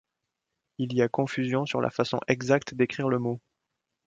Il y a confusion sur la façon exacte d'écrire le mot.